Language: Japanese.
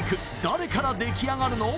誰から出来上がるの？